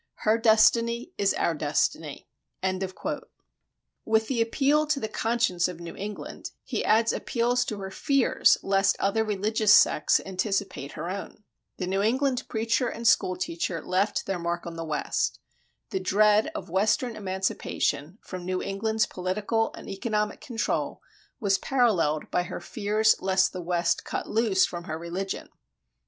... Her destiny is our destiny."[36:1] With the appeal to the conscience of New England, he adds appeals to her fears lest other religious sects anticipate her own. The New England preacher and school teacher left their mark on the West. The dread of Western emancipation from New England's political and economic control was paralleled by her fears lest the West cut loose from her religion.